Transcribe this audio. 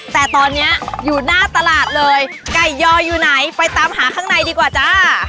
แต่ตอนนี้อยู่หน้าตลาดเลยไก่ยออยู่ไหนไปตามหาข้างในดีกว่าจ้า